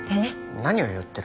何を言ってるの？